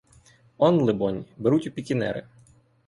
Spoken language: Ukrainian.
Он, либонь, беруть у пікінери.